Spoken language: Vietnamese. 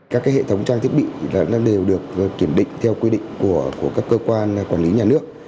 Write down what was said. các hệ thống trang thiết bị đều được kiểm định theo quy định của các cơ quan quản lý nhà nước